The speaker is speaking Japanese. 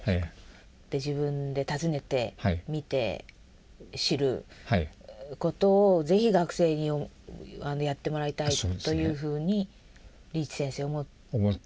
自分で訪ねて見て知ることを是非学生にやってもらいたいというふうにリーチ先生思ってらしたという。